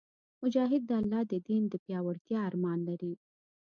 مجاهد د الله د دین د پیاوړتیا ارمان لري.